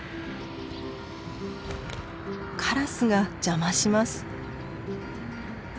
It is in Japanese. カラスが邪魔します。